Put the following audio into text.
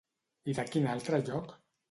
I de quin altre lloc?